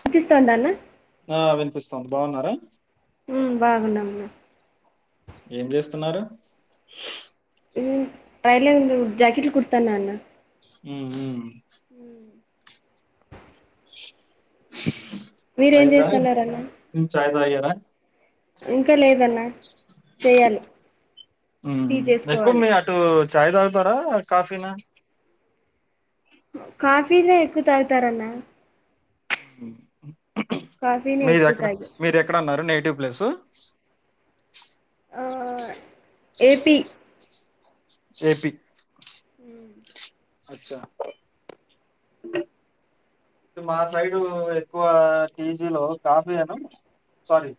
వినిపిస్తోందన్న పిస్తోంది, బావున్నారా? ఉమ్ బాగున్నామన్న ఏం జేస్తున్నారు టైలరింగ్ ఉమ్ జాకెట్లు కుడతాన అన్న ఉమ్ ఉమ్ హ్మ్ మీరేం అయిందా, చేస్తన్నారన్న మ్మ్ చాయ్ దాగార? ఇంక లేదన్న చేయాలి ఉమ్ టీ ఎక్కువ చేసుకోవాలి మీ అటూ చాయి దాగుతారా, కాఫీనా? కాఫీనే ఎక్కువ తాగుతారన్న. కాఫీనే ఎక్కువ మీదెక్కడ తాగి మీరెక్కడ అన్నారు నే కె ప్లేస్ ఆ ఏపీ ఏపి ఉ అచ్చా మా సైడ ఎక్కువ కేజీలో కాఫీ అను స్వారి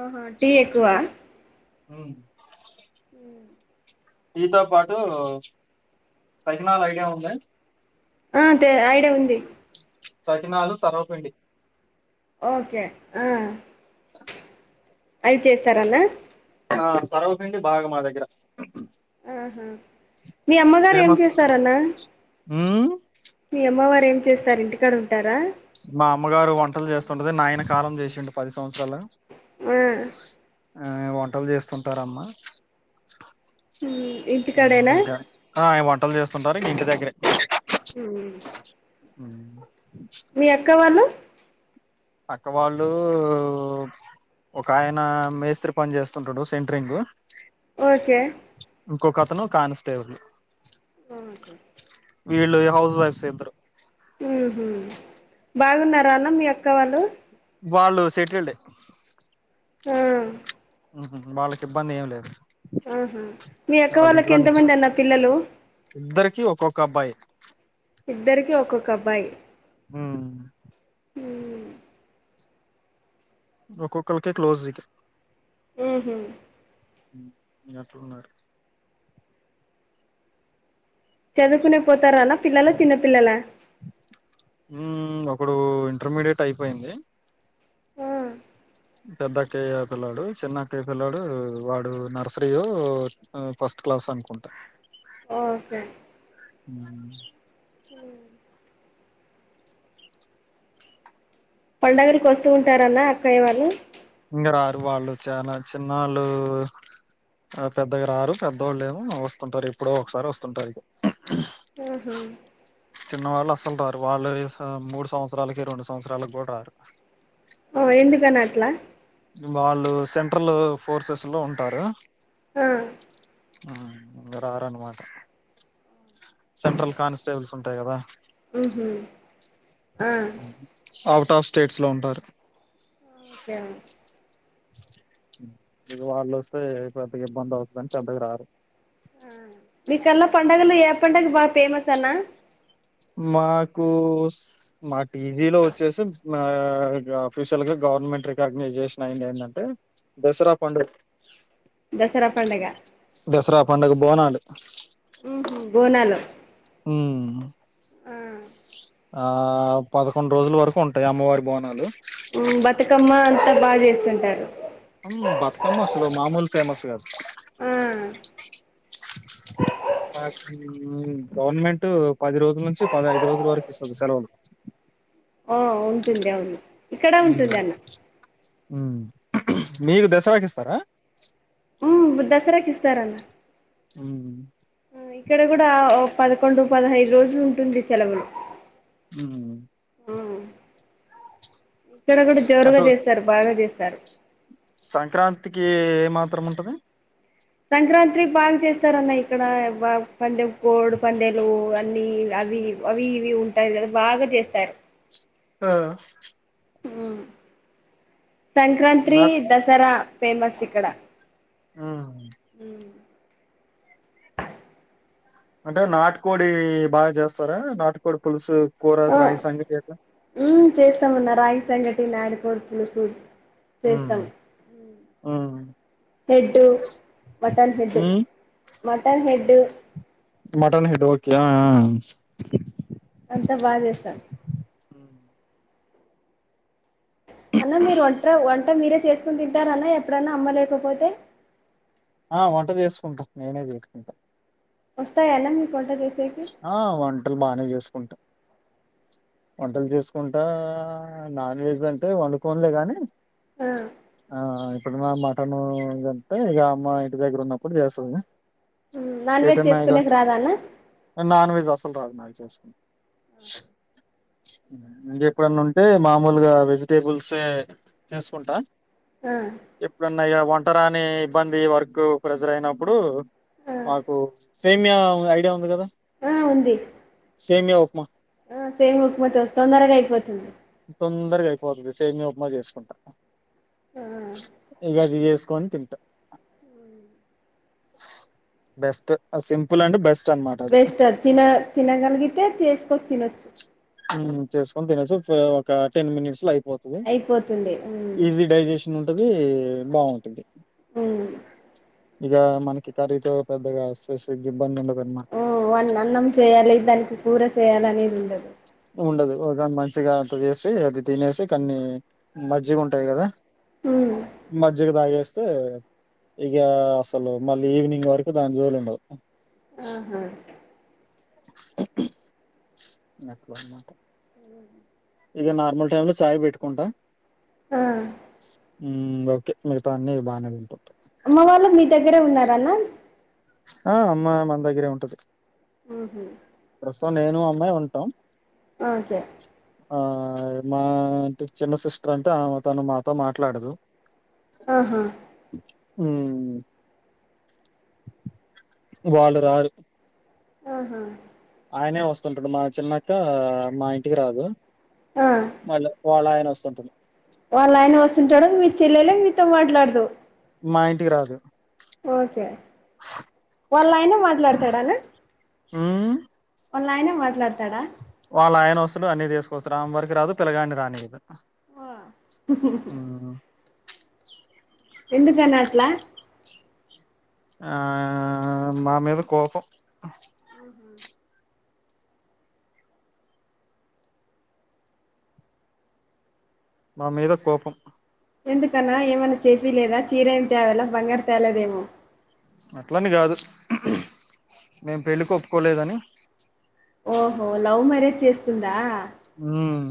ఆహ టీ ఎక్కువ హ టీ తో పాటు సైజనాాల ఐడియా ఉంద ఆ తె ఐడియా ఉంది చకినాలు సర్వపిండి ఓకె ఆ అయి చేస్తారన్న ఆ సరవపిిండి బాగ మా దగ్గర ఆహ మీ అమ్మగారు ఏం చేస్తారన్న మ్ మీ అమ్మవార్ ఏం చేస్తారు ఇంటికాడ ఉంటారా మా అమ్మగారు వంటలు చేస్తుండది నాయన కారం చేసిడి పరిస్థితి సంవత్సరాల ఆ ఆ వంటలు చేస్తుంటారమ్మా మ్మ్ ఇంటికాడేనా ఇంక ఆ ఆయ వంటలు చేస్తుంటారు ఇంటి దగ్గరే హు ఉ మీ అక్క వాళ్ళు అక్క వాళ్ళు ఒక ఆయన మేస్త్రి పన్ చేస్తుంటాడు సెట్రింగ్ ఓకె ఇంకోొకతను కానిస్టేబుల్ హు వీళ్ళు హౌస్ వైఫ్సె ఇద్దరు బాగున్నార అన్న మీ అక్క వాళ్ళు వాళ్ళు సెట్లుండె ఖా వాళ్ళకి ఇబ్బంది ఏం లేదు ఆహ మీ అక్క వాళ్ళ వాళ్ళకి ఇంట్లో ఎంతమంది అన్న పిల్లలు కి ఒక్కొక్క అబ్బాయి ఇద్దరికి ఒక్కొక్క అబ్బాయి అ మ్ ఒక్కో కల్కే క్లోజ్ ఊహు అట్లు ఉన్నారు చదువుకునే పోతార అన్న పిల్లల చిన్న పిల్లల ఇప్పుడూ ఇంటర్మీడియట్ అయిపోయింది ఆ పెద్దక్కయ్ పిల్లాడు చిన్నక్కయ్ పిల్లాడు వాడు నర్సరీ ఫస్ట్ క్లాస్ అనుకుంట ఓకె అండి ఉ పండగలకు వస్తూ ఉంటారన్న అక్కయ్య వాళ్ళు ఇక రారు వాళ్ళు చాలా చిన్నళ్ళు ఆ పెద్దగా రారు పెద్దవాళ్ళు ఏమో వస్తుంటారు ఇప్పుడో ఒకసారి వస్తుంటారు ఉహు చిన్న వాళ్ళు అసలు రారు వాళ్ళు మూడు సంవత్సరాలకి రెండు సంవత్సరాలకు కూడా రారు ఓ ఎందుకని అట్లా వాళ్ళు సెంట్రల్ ఫోర్సెస్ లో ఉంటారు ఆ రారన్నమాట సెంట్రల్ కానిస్టేబుల్స్ ఉంటాయి కదా ఉహు ఆ అవుట్ ఆఫ్ స్టేట్స్ లో ఉంటారు ఓకే ఇది వాళ్ళు వస్తే పెద్దగా ఇబ్బంది అవుతుందని చెద్దకు రారు మీకల్లా పండుగలు ఏ పండుగ బాగా ఫేమస్ అన్న మాకు మా టీజీలో వచ్చేసి ఆఫీషియల్ గా గవర్నమెంట్ రికగ్నైజేషన్ అయింది ఏంటంటే దసరా పండ్రి దసరా పండుగ దసరా పండుగ బోనాలు ఉ బోనాలో ఉమ్ ఆ ఆ పదకొండు రోజుల వరకు ఉంటాయి అమ్మవారి బోనాలు బతుకమ్మ అంతా బాగా చేస్తుంటారు ఉ బతుకమ్మ అసలు మామూలు ఫేమస్ కాదు ఆ గవర్నమెంట్ పది రోజుల నుంచి పదహైదు రోజుల వరకు ఇస్తుది సెలవులు ఓ ఉంటంది అవును ఇక్కడ ఉంటుంది అన్న మీరు దసరాకి ఇస్తారా ఉ దసరాకు ఇస్తారన్న ఉ ఇక్కడ కూడా పదకొండు పదహైదు రోజులు ఉంటుంది సెలవులు ఉ ఆ ఇక్కడ కూడా జోరుగా అటు చేస్తారు బాగా చేస్తారు సంక్రాంతికి ఏమాత్రం ఉంటది సంక్రాంతి బాగా చేస్తారన్న ఇక్కడ పందె కోడు పందేలు అన్న అవి అవి ఇవి ఉంటాయి కదా బాగా చేస్తారు ఆ సంక్రాంతి నాకు దసరా ఫేమస్ ఇక్కడ ఆ ఉ అంటే నాటుకోడి బాగా చేస్తారా నాటుకోడి పులుసు కోరస ఆ రాయి సంగలి మ్మ్ చేస్తామన్న రాగి సంగటి నాడిపోడుపులుసు చేస్తాం ఊఁ హెడ్ మటన్ హెడ్ హ్మ్. Mutton head mutton head okay yeah yeah అంతా బాగా చేస్తాను హ అన్న మీరు వంట వంట మీరే చేసుకుని తింటారన్న ఎప్పుడన్నా అమ్మలేకపోతే ఆ వంట చేసుకుంటాం నేనే తీసుకుంటాను వస్తాయ ఆనా మీ కొంట చేస్త ఆ వంటలు బానే చేసుకుంటా, వంటలు చేసుకుంటా నాన్ వెజ్ అంటే వండు కోనులే కానీ, ఆ ఆ ఇప్పుడు నా మటన్ కంటే ఇక అమ్మ ఇంటి దగ్గర ఉన్నప్పుడు చేస్తుంది. నాన్ వెజ్ ఏటన్నా చేసుకునేకి రాదా అన్న నాన్వెజ్ అస అంత తరుమరు చేస్తుంది, ఇంక ఎప్పుడన్నా ఉంటే మామూలుగా వెజిటేబుల్స్ చేసుకుంటా, ఆ ఎమైనా వంటరాని ఇబ్బంది వర్కు ప్రెజర్ అయినప్పుడు, ఆ మాకు సేమియా ఐడియా ఉంది, కదా ఆ ఉంది సేమియా ఉప్మా ఆ సేమియా ఉక్మ తొందరగా అయిపోతుంది. తొందరగా అయిపోవాళ్లని సేమియా ఉప్మా చేసుకుంటా, ఆ ఇగా ఏదో ఒకటి చేేసుకొన్ని తింటా, బెస్ట్ సింపుల్ అండి బెస్ట్ అనమాట అది బెస్ట్ అ తిన తినగలిగితే చేసుకోని తినొచ్చు, చేసుకొని తినవొచ్చు ఒక టెన్ మినిట్స్ లో అయిపోతుంది, అయిపోతుంది మ్మ్ ఈజీ డైజెషన్ ఉ అది బాగుంటుంది, ఇగా మనకి కర్రీతో పెద్దగా స్పెషల్ గిబ్బంది, ఉండదు అనమాట వాళ అన్నం చేయాలి దానికి కూర చేయాలనేది ఉండదు ఉండదు ఒకని మంచిగా అంత చేసి అది తినేసి కాన్ని మజ్జిగా ఉంటాది, కదా అ మజ్జిగ తాగేస్తే ఇక అసలు మళ్ళీ ఈవినింగ్ వరకు దాని జోలి ఉండదు, ఆహా [unintelligible] ఇగా నార్మల్ టైమ్ లో చాయ్ పెట్టుకుంటా, ఆ ఊ ఓకే మిగతా అన్నీ బాగానే వింటుంటాయి. వాళ్ళు మీ దగ్గరే మి అమ్మ ఆ అమ్మ మన దగ్గరే ఉంటది, ఆహ ప్రస్తుతం నేను అమ్మ మె ఉంటాం ఓకే ఆ మా ట చిన్న సిస్టర్ అంటే ఆమె తను మాతో మాట్లాడదు. ఆహా హుమ్ వాళ్ళు రారు ఆహా ఆయనే వస్తుంటాడు మా చిన్నాక్క మా ఇంటికి రాదు ఆ మళ్ళీ వాళ్ళ అయన వస్తుంటాడు, వాళ్ళయన వస్తుంటాడు మీ చెల్లే మీతో మాట్లాడదు, మా ఇంటికి రాదు ఓకే వాళ్ళాయన మాట్లాడతాడానా, ఉ వాళ్ళాయన మాట్లాడత వాళ్ళ ఆయన వస్తు ఉంటాడు అన్ని తీసుకొస్తుడు, ఆమె వరకి రాదు పిల్లగాని రాని వదు, ఆ హుమ్ ఎందుకన్న అట్లా ఆ మా మీద కోపం ఆహా మా మీద కోపం ఎందుకన్నా ఏమన్నా చేపి లేదా చీర ఏమి తేవాల బంగారం తేలేదేమో అట్లని కాదు మేము పెళ్ళికి ఒప్పుకోలేదని ఓహో లవ్ మ్యారేజ్ చేసుకుందా హుమ్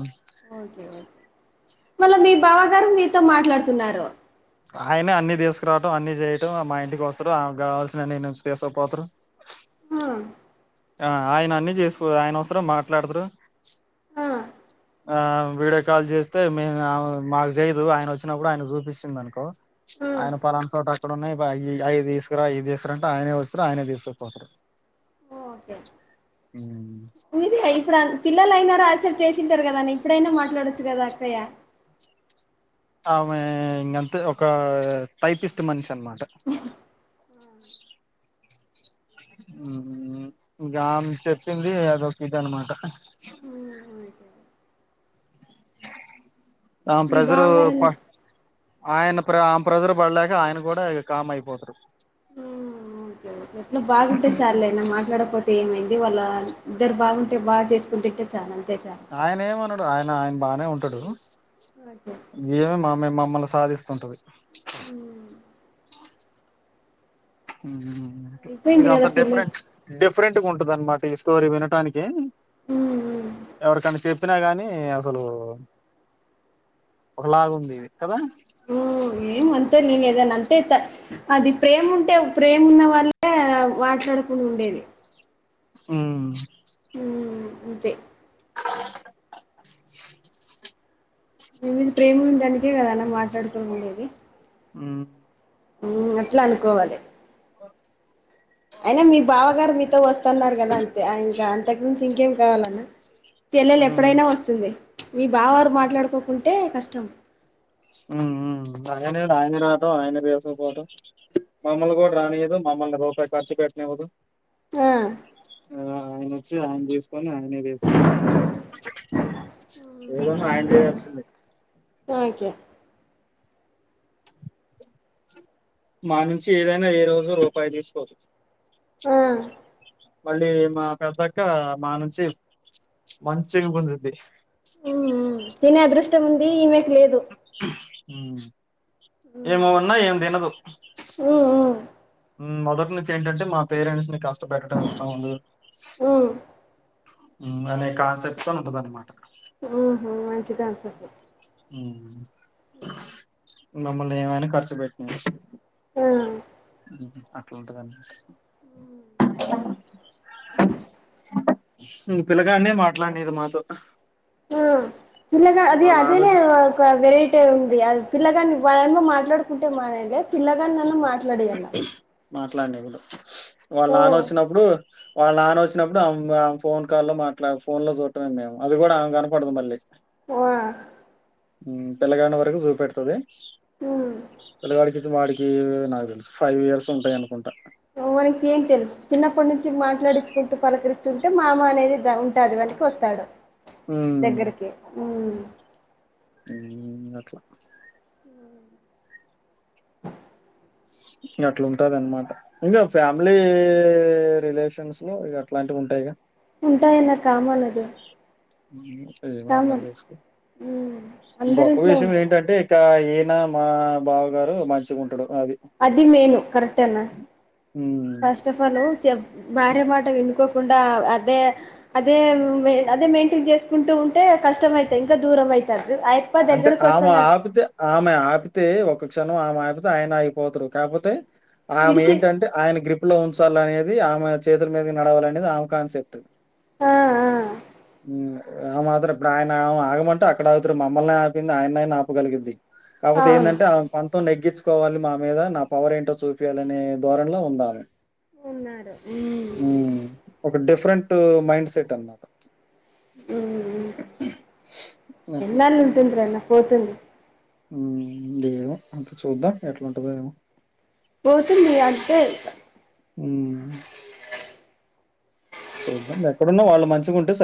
ఓకే ఓకే మళ్ళ మీ బావ గారు మీతో మాట్లాడుతున్నారు ఆయనే అన్ని తీసుకురావడంం అన్ని చేయ్యటం మా ఇంటికి వస్తారు ఆమె కావాల్సిన నేను తీసుపోతారు ఆ ఆ ఆయన అన్ని చేసుకో ఆయన వసర మాట్లాడతరు ఆ ఆ వీడియో కాల్ చేస్తే మేము మాకు చేయదు ఆయన వచ్చినప్పుడు ఆయన చూపిస్తుంది అనుకో ఆ ఆయన పలానా చోట అక్కడ ఉన్నాయి అవి తీసుకురా అవి తీసుకురా అంటే ఆయనే వచ్చారు ఆయన తీసుకుపోతారు [inaudible] ఓకే ఇప్పుడంతా పిల్లలయినారో ఆక్సెప్ట్ చేసింటారు కదాని ఇప్పుడైనా మాట్లాడొచ్చు కదా అక్కయ్య ఆమె ఇకంత ఒక టైపిస్ట్ మనిషి అన్నమాట ఆ ఇంకా చెప్పింది అదోకది అనమాట [inaudible] ఆ మీ ప్రెజరు బావగారనా ఆయన ప్ర ఆమె ప్రెషర్ పడలేక ఆయన కూడా కామ్ అయిపోతాడు ఓకే ఎట్లా బాగుంటే చాల అన్నా మాట్లాడకపోతే ఏమైంది ఇది వాళ్ళ ఇద్దరు బాగుంటే బాగా చేసుకుంటుంటే చాలా ఆయన ఏమన్నాడు ఆయన ఆయన బానే ఉంటాడు ఓకే ఇమే మామే మా మమ్మల్ని సాధిస్తుంటుది హుమ్ ఇద అయిపోయింది అంత కదా డిఫరెంట్ డిఫరెంట్ ఉంటద అన్నమాట ఈ స్టోరీ వినటానికి పిల్లలు ఎవరికన్నా చెప్పినా గానీ అసలు ఒకలాగు ఉంది కదా ఏం అంతే నేనుదని అంతే అది ప్రేమ ఉంటే ప్రేమ ఉన్న వాళ్ళ మాట్లాడుకు ఉండేది హుమ్ హుమ్ అంతే నీ మీద ప్రేమ ఉన్నదానికే కద అన్న మాట్లాడుకోని ఉండేది ఉమ్ అట్లా అనుకోవాలి అయినా మీ బావగారు మీతో వస్తున్నారు కదా అంతే ఇంకా అంతకు మించి ఇంకేం కావాలన్నా చెల్లెలు ఉమ్ ఎప్పుడైనా వస్తుంది మీ బావాగారు మాట్లాడుకోకుంటే కష్టం ఉమ్ ఉం అనే ఆయనే రావటం ఆయనే తీసుక పోటం మమ్మల్ని కూడా రానియదు మమ్మల్ని రూపాయి ఖర్చు పెట్టనివ్వదు ఆ ఆ అయన వచ్చి అ కొని ఆయనే వేసుకోవటం ఏదైనా ఆయన చేయాల్సిందే ఒకే మా నుంచి ఏదైనా ఏ రోజు రూపాయి తీసుకోదు ఆ మళ్ళీ మా పెద్దక్క మా నుంచి మంచిగా గుంజుద్ది తినే అదృష్టం ఉంది. ఈమెకు లేదు. ఈమ ఉన్నా ఏం తినదు. మొదటి నుంచి ఏంటంటే మా పేరెంట్స్ ని కష్ట పెట్టడం ఇష్టం ఉండదు. అనే కాన్సెప్ట్ తో ఉంటా తన మాట మంచి కాన్సెప్టే మమ్మల్ని ఏమైనా ఖర్చు పెట్టినీ ఆ అట్లాంతాదండి. ను పిల్లగానే మాట్లాడినియది మాతో పీలగా అది వాళ్ళ అదే నే ఆలోచన ఒక వెరేటి అంటే ఉంది అది పిల్లగాని వాయామ్మా మాట్లాడుకుంటే మానేలే పిల్లగాన్నినన్న మాట్లాడియాల మాట్లాడినివ్వదు వాళ్ళ నాన్న వచ్చినప్పుడు వాళ్ళ నాన్న వచ్చినప్పుడు ఆమ్ ఆమె ఫోన్ కాల్ లో మాట్లాడ్ ఫోన్ లో చూడటమే మేము అది కూడా ఆమె కనపడదు మళ్ళేసి వా పిల్లగాడిని వరకు చూపెడుతది ఉమ్ పిల్లగాడి వాడికి నాకు తెలుసు ఫైవ్ ఇయర్స్ ఉంటాయి అనుకుంటా మనకి ఏం తెలుసు చిన్నప్పటి నుంచి మాట్లాడిచ్చుకుంటూ పలకరిస్తుంటే మామ అనేది ద ఉంటది. వస్తాడు హ్మ్. దగ్గరికి ఉమ్ మ్ అట్లా ఇగ అట్లా ఉంటది అన్నమాట ఇంగా ఫ్యామిలీ రిలేషన్స్ లో ఇగ అట్లాంటివి ఉంటాయిగా ఉంటాయన్న కామాన్ అది ఏమి అర్థం కామన్ చేసుకో ఉమ్ గొప్ప అందరింట్లో విషయం ఉంటాయి ఏంటంటే ఇక ఏద్ నా మా బావ గారు మంచిగా ఉంటడు. అది మెను కరెక్టేన్నా హ్మ్. ఫస్ట్ ఆఫ్ ఆలు చెప్ భార్య మాట వినుకోకుండా అదే అదే అదే మెయింటైన్ చేసుకుంటూ ఉంటే కష్టం అయితాయి ఇంకా దూరం అయితారు. అయప్ప అంటే దగ్గరకు ఆమె వస్తున్నట్ ఆపితే ఆమె ఆపితే ఒక చను ఆమె ఆపితే ఆయన అయిపోతరు కాకపోతే ఆమె విడిసి ఏంటంటే ఆయన గ్రిప్ గ్రిప్ లో ఉంచాల అనేది ఆమె చేతుల మీదకి నడవాలనేది ఆమె కాన్సెప్ట్ ఆ ఆ ఆ మాత్రం ఇప్పుడు ఆయన ఆగ ఆగమంటే అక్కడ అగుతారు. మమ్మల్నే ఆపింది ఆయనైనా ఆపగలిగిద్ది. కాకపోతే అవును ఏందంటే ఆమే పాన్ మొత్తం నెగ్గించుకోవాలి మా మీద నా పవర్ ఏంటో చూపయాలనే ధోరన్ లో ఉందా ఆమె ఉన్నారు మ్ ఉమ్ ఒక డిఫరెంట్ మైండ్ సెట్ అల్ అట్లా. ఎన్నాళ్ళు ఉంటుందిరాన్న పోతుంది. ఏమో అంత చూద్దాం ఎట్లటుందో ఏమో? పోతుంది అర్జెంట్ హ్మ్. చూద్దాం ఎక్కడున్నా వాళ్ళు మంచిగా ఉంటే స